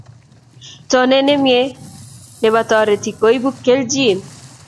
Tonet nemye nebo toreti koibu keljin